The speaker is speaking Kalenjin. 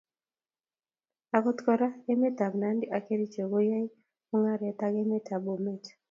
Akot kora, emet ab Nandi ak Kericho koyoei mungaret ak emet ab Bomet